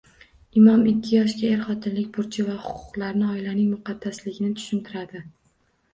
Imom ikki yoshga er-xotinlik burchi va huquqlarini oilaning muqaddasligini tushuntiradi